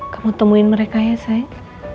kamu temuin mereka ya saya